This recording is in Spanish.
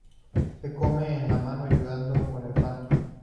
Se come con la mano ayudándose con el pan.